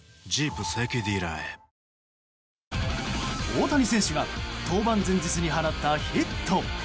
大谷選手が登板前日に放ったヒット。